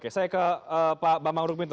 oke saya ke pak bambang rukminto